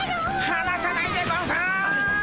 はなさないでゴンス！